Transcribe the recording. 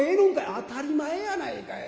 「当たり前やないかい。